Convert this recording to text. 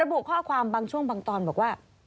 บุข้อความบางช่วงบางตอนบอกว่า